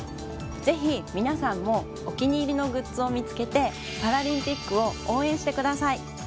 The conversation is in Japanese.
ぜひ皆さんもお気に入りのグッズを見つけてパラリンピックを応援してください。